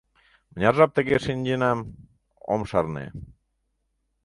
Мыняр жап тыге шинченам — ом шарне.